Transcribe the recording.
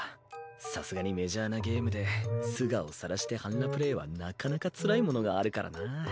さすがにメジャーなゲームで素顔さらして半裸プレイはなかなかつらいものがあるからな。